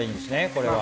これは。